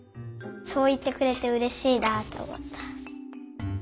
そういってくれてうれしいなとおもった。